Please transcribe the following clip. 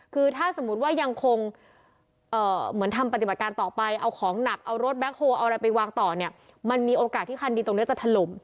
คือถ้าสมมุติว่ายังคงเหมือนทำปฏิบัติการต่อไปเอาของหนักเอารถแบ็คโฮลเอาอะไรไปวางต่อเนี่ยมันมีโอกาสที่คันดีตรงนี้จะถล่ม